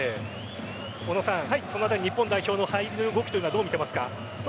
小野さん、そのあたり日本代表の入りの動きはどう見ていますか？